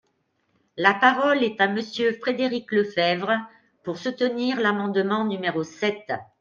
La parole est à Monsieur Frédéric Lefebvre, pour soutenir l’amendement numéro sept.